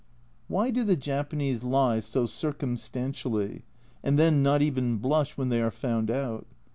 Why do the Japanese lie so circum stantially, and then not even blush when they are found out?